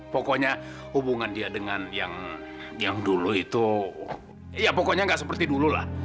pokoknya hubungan dia dengan yang dulu itu ya pokoknya nggak seperti dulu lah